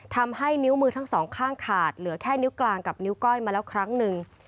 ทำให้นิ้วมือทั้งสองข้างขาดเหลือแค่นิ้วกลางกับนิ้วก้อยมาแล้วครั้งหนึ่ง